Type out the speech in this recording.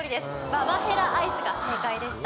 ババヘラアイスが正解でした。